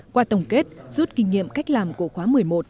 qua tổng kết rút kinh nghiệm cách làm của khóa một mươi một